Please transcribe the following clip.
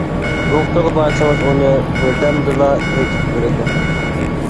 دوختۇرغا بارسىڭىز ئۇنى بىردەمدىلا ئېيتىپ بېرىدۇ.